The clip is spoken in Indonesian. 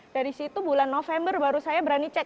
dari situ bulan november baru saya berani cek